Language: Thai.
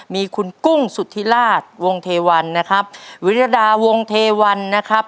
มีคุณกุ้งสุธิราชวงธวรรณนะครับวิรดาวงธวรรณนะครับ